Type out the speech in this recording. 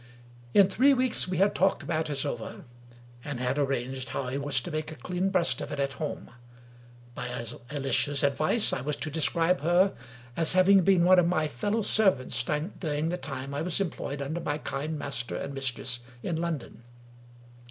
In three weeks we had talked matters over, and had arranged how I was to make a clean breast of it at home. By Alicia's advice, I was to describe her as having been one of my fellow servants during the time I was employed under my kind master and mistress in London.